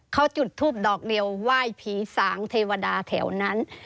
เขาจุดทูปดอกเดียวไหว้ผีสางเทวดาแถวนั้น